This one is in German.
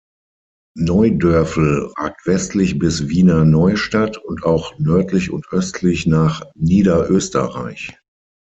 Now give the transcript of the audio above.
Neudörfl ragt westlich bis Wiener Neustadt und auch nördlich und östlich nach Niederösterreich.